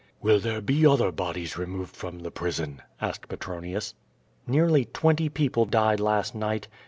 "Will there be other bodies removed from the prison?" asked Petronius. "Nearly twenty people died last night.